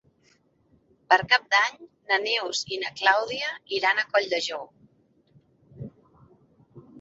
Per Cap d'Any na Neus i na Clàudia iran a Colldejou.